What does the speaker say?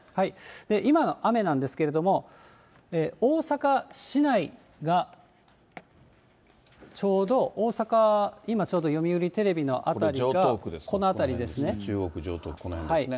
今の雨なんですけれども、大阪市内がちょうど大阪、今ちょうど読売テレビの辺りがこの辺りですね。